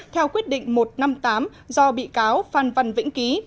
theo quyết định một trăm năm mươi tám do bị cáo phan văn vĩnh ký